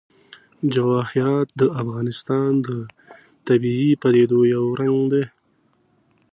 جواهرات د افغانستان د طبیعي پدیدو یو رنګ دی.